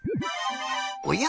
おや？